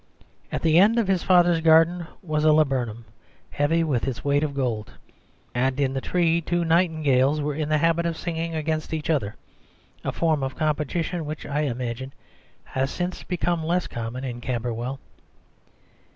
At the end of his father's garden was a laburnum "heavy with its weight of gold," and in the tree two nightingales were in the habit of singing against each other, a form of competition which, I imagine, has since become less common in Camberwell.